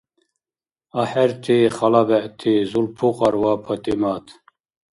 АхӀерти хала бегӀти Зулпукьар ва ПатӀимат!